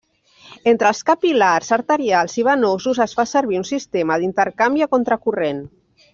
Entre els capil·lars arterials i venosos es fa servir un sistema d'intercanvi a contracorrent.